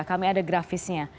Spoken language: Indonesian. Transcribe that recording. kami ada grafisnya